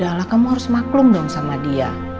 ya lah kamu harus maklum dong sama dia